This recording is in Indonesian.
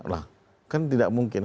lah kan tidak mungkin